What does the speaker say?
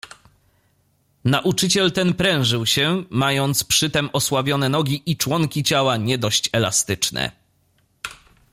"Nauczyciel ten prężył się, mając osłabione nogi i członki ciała nie dość elastyczne."